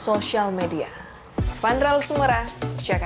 oleh karena dua perang kalau ada perang yang menepati persis